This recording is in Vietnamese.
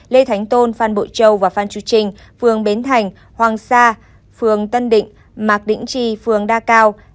lê thánh tôn phan bội châu và phan chu trinh phường bến thành hoàng sa phường tân định mạc đĩnh tri phường đa cao